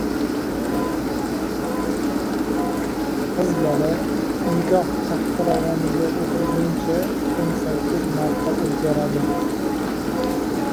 • Qiz bola nikoh taxtiravoniga o‘tirguncha o‘n sakkiz marta o‘zgaradi